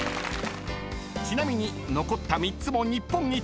［ちなみに残った３つも日本一］